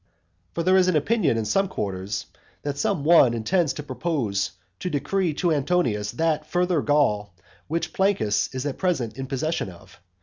For there is an opinion in some quarters that some one intends to propose to decree Antonius that further Gaul, which Plancus is at present in possession of.